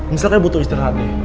misalnya kita butuh istirahat